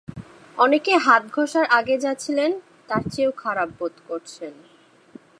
অনেকে হাত ঘষার আগে যা ছিলেন, তার চেযেও খারাপ বোধ করছেন।